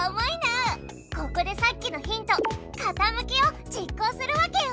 ここでさっきのヒント「かたむき」を実行するわけよ。